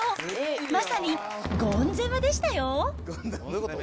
まさにゴン攻めでしたよ。